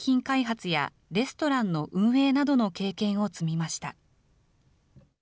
そこで、特産品開発やレストランの運営などの経験を積みました。